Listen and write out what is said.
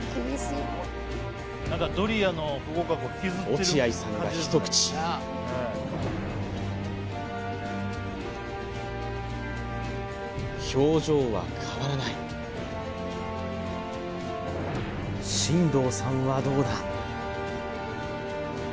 落合さんが一口表情は変わらない進藤さんはどうだ？